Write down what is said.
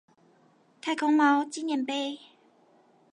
太空貓紀念碑